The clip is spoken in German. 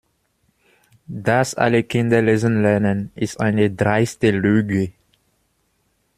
Dass alle Kinder lesen lernen, ist eine dreiste Lüge.